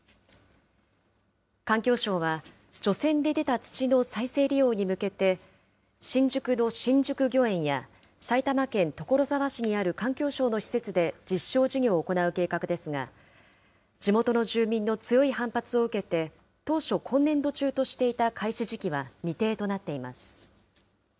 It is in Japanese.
環境省は除染で出た土の再生利用に向けて、新宿の新宿御苑や、埼玉県所沢市にある環境省の施設で実証事業を行う計画ですが、地元の住民の強い反発を受けて、当初、今年度中としていた開始時期は、未定となっています。